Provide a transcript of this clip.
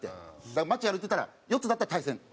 だから街歩いてたら４つだったら大戦。